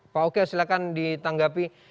pak oke silahkan ditanggapi